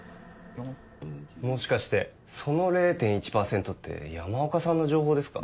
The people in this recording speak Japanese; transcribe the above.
山岡もしかしてその０．１％って山岡さんの情報ですか？